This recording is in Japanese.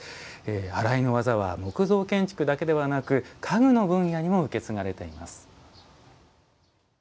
洗いの技は木材建築だけではなく家具の分野にも受け継がれています。